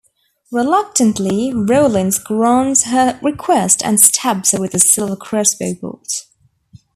Reluctantly, Rawlins grants her request and stabs her with a silver crossbow bolt.